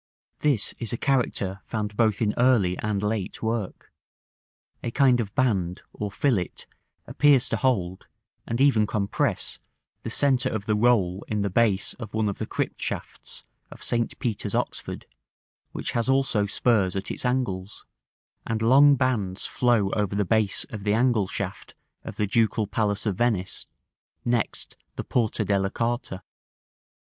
This is a character found both in early and late work; a kind of band, or fillet, appears to hold, and even compress, the centre of the roll in the base of one of the crypt shafts of St. Peter's, Oxford, which has also spurs at its angles; and long bands flow over the base of the angle shaft of the Ducal Palace of Venice, next the Porta della Carta.